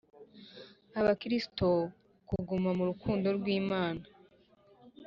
Abakristo kuguma mu rukundo rw Imana